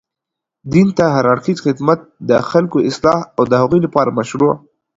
دين ته هر اړخيزه خدمت، د خلګو اصلاح او د هغوی لپاره مشروع